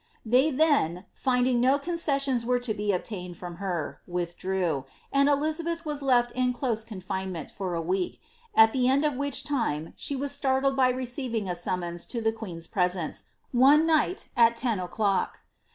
They then, finding no concessions were to be obtained from her, withdrew, and Elizabeth was leA in close confine ment for a week, at the end of which time she was startled by receiving a summons to the queen^s presence, one night, at ten o^cIock.